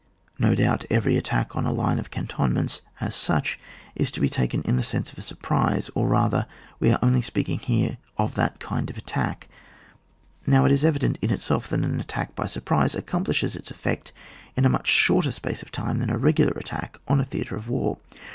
No doubt eveiy attack on a line of cantonments as such is to be taken in the sense of a surprise, or rather, we are only speaking here of that kind of attack ; now it is evident in itself that an attack by surprise accomplishes its effect in a much shorter space of time than a regu lar attack on a theatre of war.